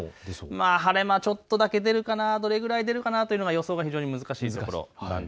晴れ間、ちょっとだけ出るかな、どれくらい出るかなという予想が難しいところ。